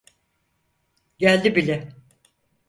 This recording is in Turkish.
Geldi bile.